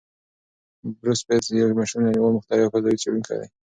بروس بتز یو مشهور نړیوال مخترع او فضايي څېړونکی دی.